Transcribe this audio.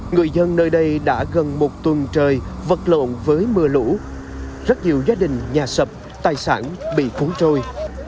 người dân nơi đây đã gần một tuần trời vật lộn với mưa lũ rất nhiều gia đình nhà sập tài sản bị cuốn trôi